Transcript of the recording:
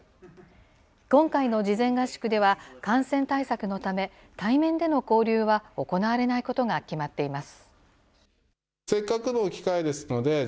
今回の事前合宿では、感染対策のため、対面での交流は行われないことが決まっています。